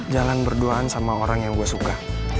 jangan berdoaan sama orang yang gue suka